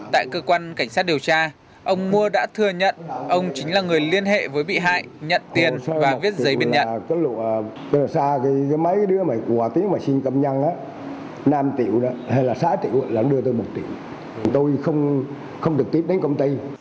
tại cơ quan cảnh sát điều tra ông mua đã thừa nhận ông chính là người liên hệ với bị hại nhận tiền và viết giấy biên nhận